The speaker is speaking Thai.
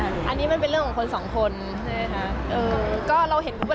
อันนี้มันเป็นเรื่องของคนสองคน